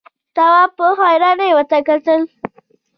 تواب په حيرانۍ ورته کتل…